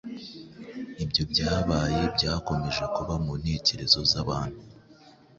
ibyo byabaye byakomeje kuba mu ntekerezo z’abantu